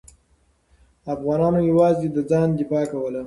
افغانانو یوازې د ځان دفاع کوله.